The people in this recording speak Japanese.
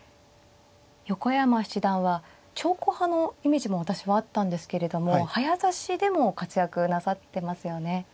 横山七段は長考派のイメージも私はあったんですけれども早指しでも活躍なさってますよね。